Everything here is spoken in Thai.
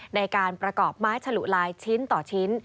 ในการประกอบไม้ฉลุลายชิ้นต่อชิ้น